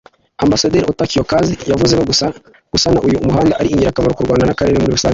Ambasaderi Ota Kiyokazi yavuze ko gusana uyu muhanda ari ingirakamaro k’u Rwanda n’akarere muri rusange